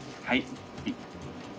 はい。